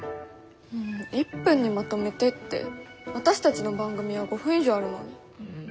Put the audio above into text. １分にまとめてって私たちの番組は５分以上あるのに。